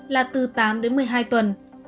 là từ tám đến một mươi hai tuần